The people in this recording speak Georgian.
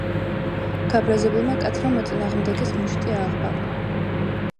გაბრაზებულმა კაცმა მოწინააღმდეგეს მუშტი ააყბავა.